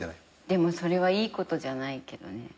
でもそれはいいことじゃないけどね。